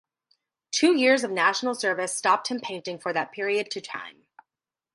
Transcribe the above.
Two years of national service stopped him painting for that period to time.